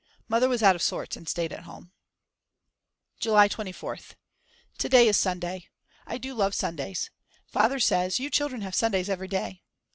Mother was out of sorts and stayed at home. July 24th. To day is Sunday. I do love Sundays. Father says: You children have Sundays every day.